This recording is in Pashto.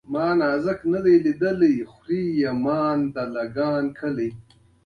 د بانکونو تړل سوداګري فلج کوي.